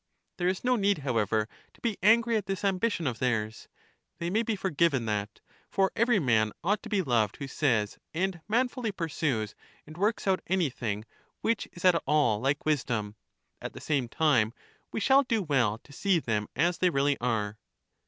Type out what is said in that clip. There is no need, however, to be angry at this ambition of theirs — they may be forgiven that; for every man ought to be loved who says and manfully pursues and works out anything which is at all like wisdom: at the same time we shall do well to see them as they really are.